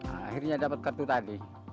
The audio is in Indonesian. akhirnya dapat kartu tadi